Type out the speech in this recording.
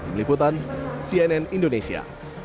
meliputan cnn indonesia